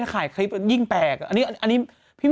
จริงดิ